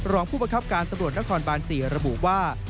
รองผู้ประคับการตรวจนักฐานบานศรีระบุว่า